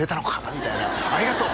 みたいなありがとう！